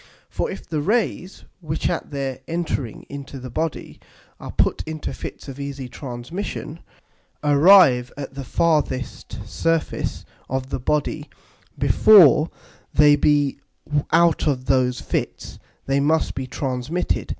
For if the Rays, which at their entering into the Body are put into Fits of easy Transmission, arrive at the farthest Surface of the Body before they be out of those Fits, they must be transmitted.